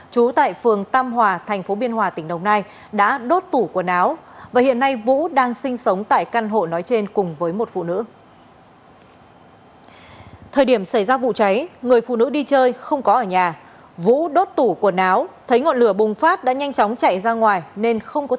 trú tại phường tam hòa thành phố biên hòa tỉnh đồng nai đã đốt tủ quần áo và hiện nay vũ đang sinh sống tại căn hộ nói trên cùng với một phụ nữ